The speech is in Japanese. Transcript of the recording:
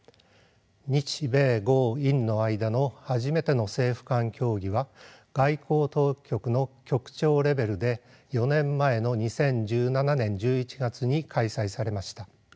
日米豪印の間の初めての政府間協議は外交当局の局長レベルで４年前の２０１７年１１月に開催されました。